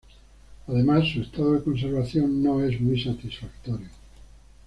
Además su estado de conservación no es muy satisfactorio.